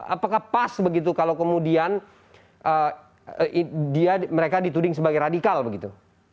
apakah pas begitu kalau kemudian mereka dituding sebagai radikal begitu